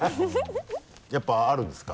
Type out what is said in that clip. やっぱあるんですか？